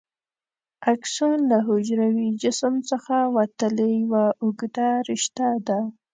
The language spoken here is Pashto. اکسون له حجروي جسم څخه وتلې یوه اوږده رشته ده.